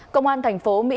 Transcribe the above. công an thành phố mỹ